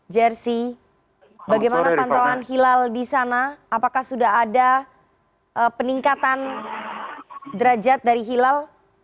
jersi bagaimana pantauan hilal di sana apakah sudah ada peningkatan derajat dari hilal